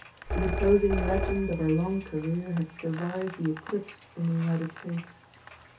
The imposing legend of her long career had survived the eclipse in the United States.